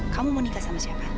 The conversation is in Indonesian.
kamu mau nikah sama siapa